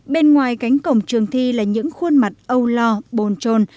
bên ngoài cánh cổng trường thi là những khuôn mặt âu lo bồn trồn